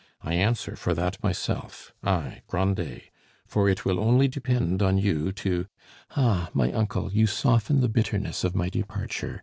I answer for that myself, I Grandet; for it will only depend on you to " "Ah! my uncle, you soften the bitterness of my departure.